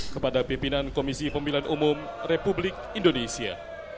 kepada pimpinan komisi pemilihan umum republik indonesia